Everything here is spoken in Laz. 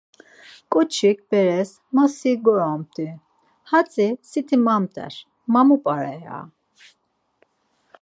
Ǩoçik beres, ma si ǩoromt̆i. Hatzi siti mamt̆er, ma mu p̌are? ya.